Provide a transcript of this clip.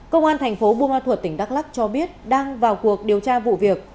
công an thành phố burma thuật tỉnh đắk lắk cho biết đang vào cuộc điều tra vụ việc